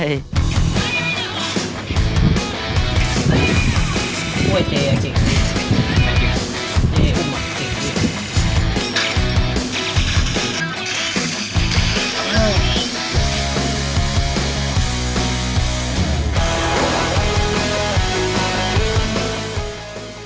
เจอุ้มอ่ะเก่ง